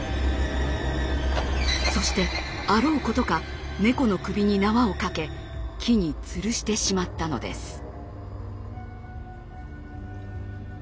そしてあろうことか猫の首に縄をかけ木につるしてしまったのです。